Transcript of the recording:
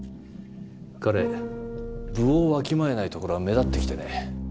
彼分をわきまえないところが目立ってきてね。